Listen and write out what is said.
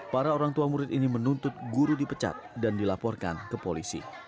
para orang tua murid ini menuntut guru dipecat dan dilaporkan ke polisi